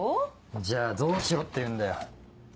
じゃあどうしろって言うんだよ。